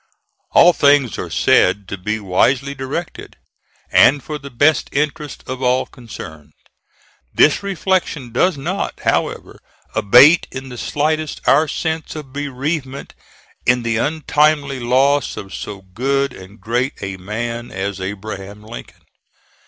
All things are said to be wisely directed, and for the best interest of all concerned. This reflection does not, however, abate in the slightest our sense of bereavement in the untimely loss of so good and great a man as Abraham Lincoln.